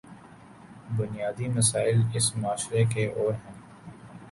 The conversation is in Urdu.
بنیادی مسائل اس معاشرے کے اور ہیں۔